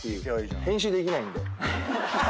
編集できないんで。